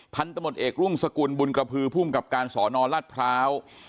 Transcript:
พันธมตเอกรุ่งสกุลบุญกระพือภูมิกับการสอนอรัฐพร้าว